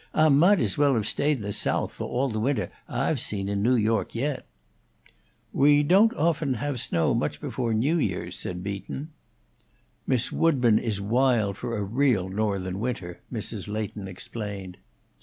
"Ah mahght as well have stayed in the Soath, for all the winter Ah have seen in New York yet." "We don't often have snow much before New Year's," said Beaton. "Miss Woodburn is wild for a real Northern winter," Mrs. Leighton explained.